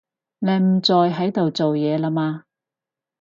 你唔再喺度做嘢啦嘛